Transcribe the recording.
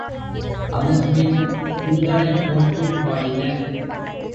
அதன் பின் திங்களைப் போற்றிப் பாடினர்.